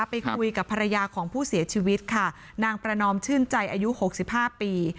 ไปคุยกับภรรยาของผู้เสียชีวิตค่ะนางประนอมชื่นใจอายุ๖๕ปี